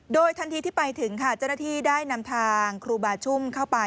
โดยทันทีที่ไปถึงค่ะเจ้าหน้าที่ได้นำทางครูบาชุ่มเข้าไป